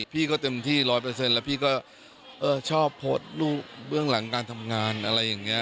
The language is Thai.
พี่ก็เต็มที่ร้อยเปอร์เซ็นต์และพี่ก็ชอบโพสต์เรื่องหลังการทำงานอะไรอย่างนี้